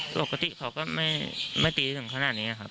ปกติเขาก็ไม่ตีถึงขนาดนี้ครับ